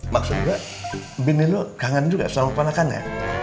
maksudnya bini lo kangen juga sama perempuan akannya